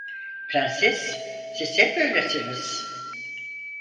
Prenses, siz hep böylesiniz…